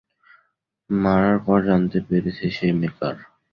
মারার পর জানতে পেরেছি সে মেকার।